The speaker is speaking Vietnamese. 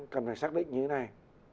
cần phải xác định như thế này